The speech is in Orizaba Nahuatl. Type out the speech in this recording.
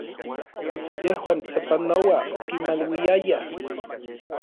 Yejuan sapanoa okimaluiayaj.